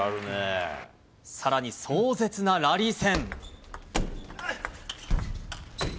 さらに壮絶なラリー戦。